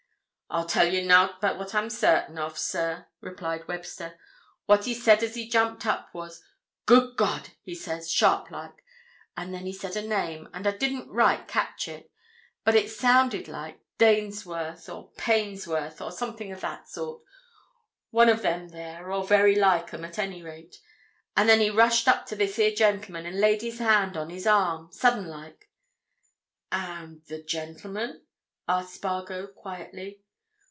"I'll tell you naught but what I'm certain of, sir," replied Webster. "What he said as he jumped up was 'Good God!' he says, sharp like—and then he said a name, and I didn't right catch it, but it sounded like Danesworth, or Painesworth, or something of that sort—one of them there, or very like 'em, at any rate. And then he rushed up to this here gentleman, and laid his hand on his arm—sudden like." "And—the gentleman?" asked Spargo, quietly.